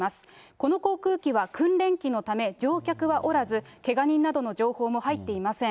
この航空機は訓練機のため、乗客はおらず、けが人などの情報も入っていません。